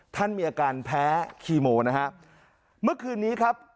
ท่านมีอาการแพ้คีโมนะฮะเมื่อคืนนี้ครับ